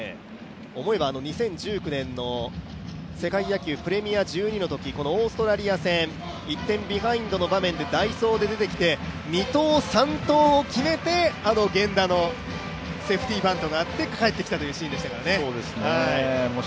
思えば２０１９年の世界野球プレミア１２のとき、オーストラリア戦、１点ビハインドの場面で代走で出てきて、二盗、三盗を決めてあの源田のセーフティバントがあって返ってきたというシーンでしたからね。